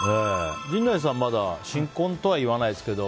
陣内さんはまだ新婚とはいわないですけど。